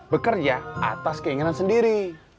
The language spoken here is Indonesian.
bekerja atas keinginan sendiri